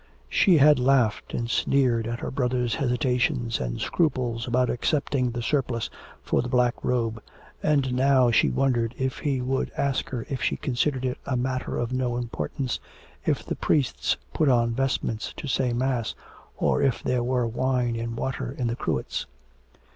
She had laughed and sneered at her brother's hesitations and scruples about accepting the surplice for the black robe, and now she wondered if he would ask her if she considered it a matter of no importance if the priests put on vestments to say Mass, or if there were wine and water in the cruets.